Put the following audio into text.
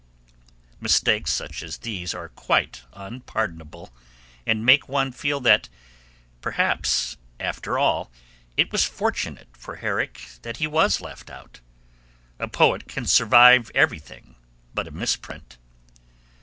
Mistakes such as these are quite unpardonable, and make one feel that, perhaps, after all it was fortunate for Herrick that he was left out. A poet can survive everything but a misprint.